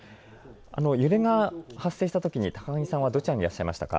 揺れが発生したとき、高萩さんはどちらにいらっしゃいましたか。